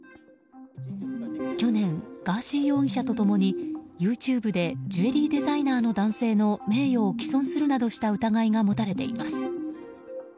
去年、ガーシー容疑者と共にＹｏｕＴｕｂｅでジュエリーデザイナーの男性の名誉を棄損するなどした疑いが持たれています。